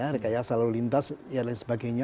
rekayasa lalu lintas dan lain sebagainya